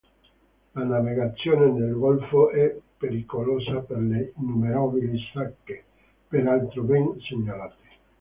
La navigazione nel golfo è pericolosa per le innumerevoli secche, peraltro ben segnalate.